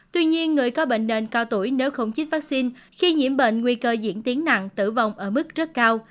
tuy nhiên người có bệnh nền cao tuổi nếu không chích vaccine khi nhiễm bệnh nguy cơ diễn tiến nặng tử vong ở mức rất cao